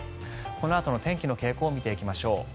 この後の天気の傾向を見ていきましょう。